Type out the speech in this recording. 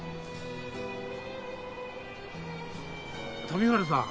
富治さん